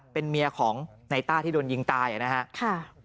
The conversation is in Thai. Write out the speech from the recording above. เป็นเมียของนายต้าที่โดนยิงตายอะฮะ